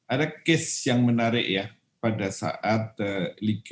ada kes yang menarik ya pada saat liga satu ini